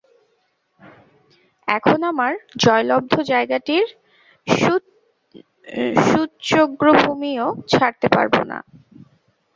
এখন আমার জয়লব্ধ জায়গাটির সূচ্যগ্রভূমিও ছাড়তে পারব না।